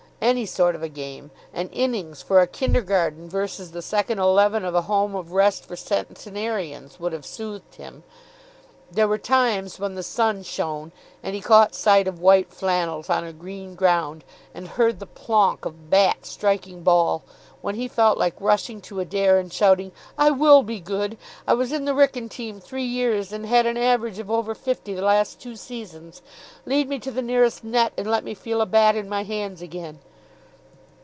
Any sort of a game. An innings for a Kindergarten v. the Second Eleven of a Home of Rest for Centenarians would have soothed him. There were times, when the sun shone, and he caught sight of white flannels on a green ground, and heard the "plonk" of bat striking ball, when he felt like rushing to Adair and shouting, "I will be good. I was in the Wrykyn team three years, and had an average of over fifty the last two seasons. Lead me to the nearest net, and let me feel a bat in my hands again."